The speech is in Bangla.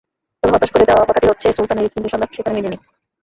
তবে হতাশ করে দেওয়া কথাটি হচ্ছে, সুলতানের হৃৎপিণ্ডের সন্ধান সেখানে মেলেনি।